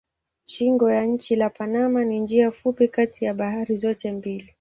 Shingo ya nchi la Panama ni njia fupi kati ya bahari zote mbili.